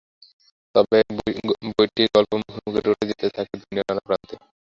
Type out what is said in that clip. তবে বইটির গল্প মুখে মুখে রটে যেতে থাকে দুনিয়ার নানা প্রান্তে।